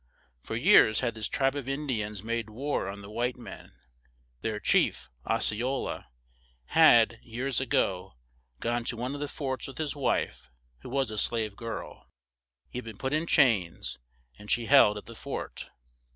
For years had this tribe of In di ans made war on the white men; their chief, Os ce o la, had, years a go, gone to one of the forts with his wife, who was a slave girl; he had been put in chains, and she held at the fort.